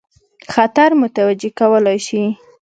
خطر متوجه کولای شي.